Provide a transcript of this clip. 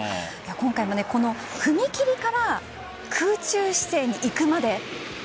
今回も踏み切りから空中姿勢にいくまで